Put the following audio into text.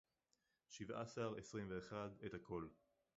שבעה עשר, עשרים ואחד — את הכול!